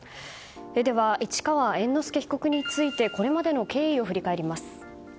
では、市川猿之助被告についてこれまでの経緯を振り返ります。